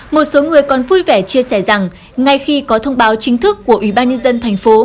một số người còn vui vẻ chia sẻ rằng ngay khi có thông báo chính thức của ủy ban nhân dân thành phố